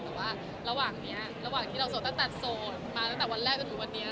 แต่ว่าระหว่างที่เราโทรตั้นโซลมาตั้งแต่วันแรกถึงวันเนี้ย